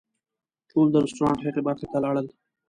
ټول د رسټورانټ هغې برخې ته لاړل.